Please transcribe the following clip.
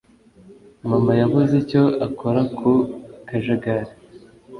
] mama yabuze icyo akora ku kajagari.